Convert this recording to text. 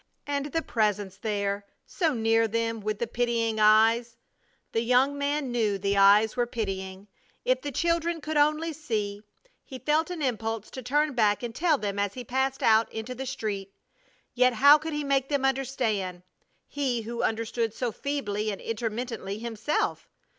And the Presence there! So near them, with the pitying eyes! The young man knew the eyes were pitying! If the children could only see! He felt an impulse to turn back and tell them as he passed out into the street, yet how could he make them understand he who understood so feebly and intermittently himself?